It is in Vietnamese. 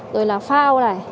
rồi là phao này